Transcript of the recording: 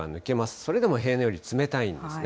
それでも平年よりは冷たいんですね。